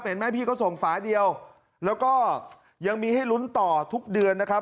เห็นไหมพี่ก็ส่งฝาเดียวแล้วก็ยังมีให้ลุ้นต่อทุกเดือนนะครับ